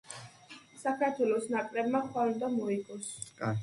საქართველოს ნაკრებმა ხვალ უნდა მოიგოს